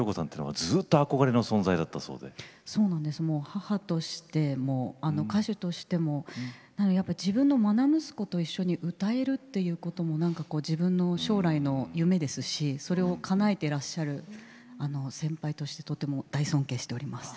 母としても歌手としてもやっぱり自分のまな息子と一緒に歌えるということもなんかこう自分の将来の夢ですしそれをかなえてらっしゃる先輩としてとても大尊敬しております。